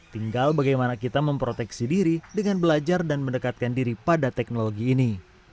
tinggal bagaimana kita memproteksi diri dengan belajar dan mendekatkan diri pada teknologi ini